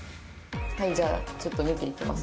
はいじゃあちょっと見ていきます。